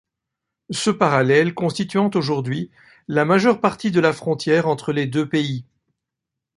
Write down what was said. Ce parallèle constituant aujourd'hui la majeure partie de la frontière entre les deux pays.